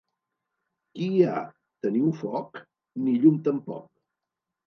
Qui hi ha? – Teniu foc? – Ni llum tampoc!